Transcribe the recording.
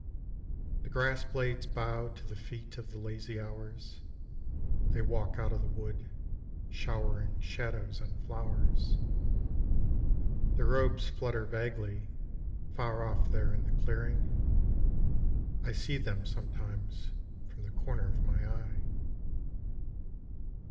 The grass blades bow to the feet of the lazy hours: They walk out of the wood, showering shadows on flowers. Their robes flutter vaguely far off there in the clearing: I see them sometimes from the corner of my eye.